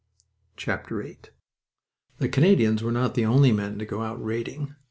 VIII The Canadians were not the only men to go out raiding.